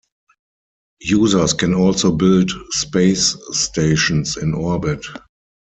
Users can also build space stations in orbit.